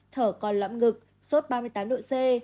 thở còn lạm ngực sốt ba mươi tám độ c